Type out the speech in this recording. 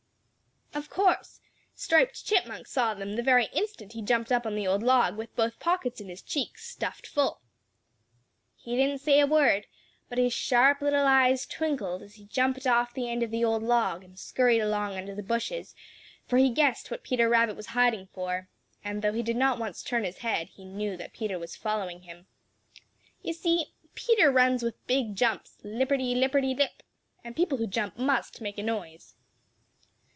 Of course Striped Chipmunk saw them the very instant he jumped up on the old log with both pockets in his cheeks stuffed full. He didn't say a word, but his sharp little eyes twinkled as he jumped off the end of the old log and scurried along under the bushes, for he guessed what Peter Rabbit was hiding for, and though he did not once turn his head he knew that Peter was following him. You see Peter runs with big jumps, lipperty lipperty lip, and people who jump must make a noise.